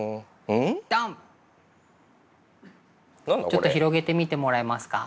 ちょっと広げてみてもらえますか。